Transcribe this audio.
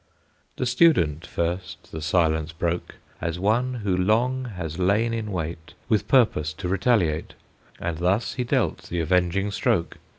The student first the silence broke, As one who long has lain in wait, With purpose to retaliate, And thus he dealt the avenging stroke.